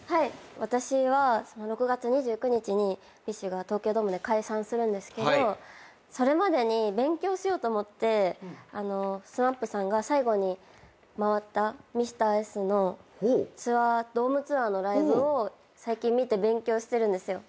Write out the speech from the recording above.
私は６月２９日にＢｉＳＨが東京ドームで解散するんですけどそれまでに勉強しようと思ってＳＭＡＰさんが最後に回った『Ｍｒ．Ｓ』のドームツアーのライブを最近見て勉強してるんですよ。